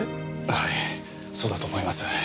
はいそうだと思います。